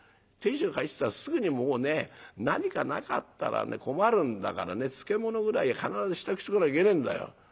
亭主が帰ってきたらすぐにもうね何かなかったら困るんだからね漬物ぐらい必ず支度しとかなきゃいけねえんだよ。